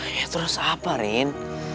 ya terus apa rin